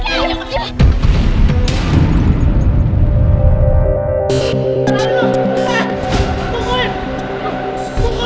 aduh minta pukul